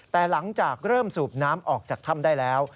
แต่หลังจากเริ่มสูบน้ำออกจากถ้ำได้แล้ว